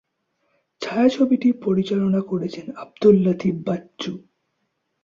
ছায়াছবিটি পরিচালনা করেছেন আব্দুল লতিফ বাচ্চু।